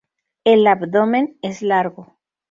El abdomen es largo.